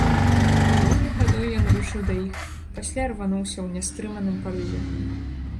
Павольнай хадой ён рушыў да іх, пасля рвануўся ў нястрыманым парыве.